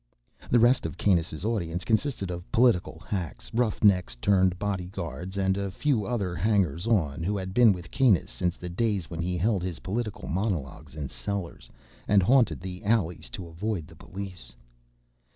The rest of Kanus' audience consisted of political hacks, roughnecks turned bodyguards, and a few other hangers on who had been with Kanus since the days when he held his political monologues in cellars, and haunted the alleys to avoid the police.